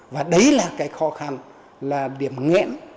và đấy là cái khó khăn là điểm nghẽn